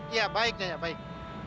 iya baik nyonya baik